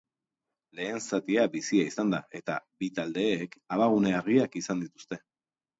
Lehen zatia bizia izan da, eta bi taldeek abagune argiak izan dituzte.